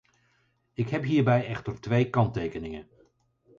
Ik heb hierbij echter twee kanttekeningen.